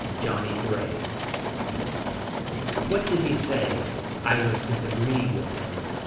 JOHNNY GREY What did he say. I was disagreeing with him.